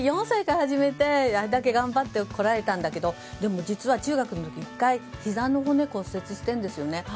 ４歳で初めてあれだけ頑張ってこられたんだけど実は中学の時に、１回ひざの骨を骨折してるんですよね。